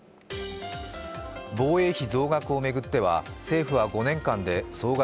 防衛費増額を巡っては政府は５年間で総額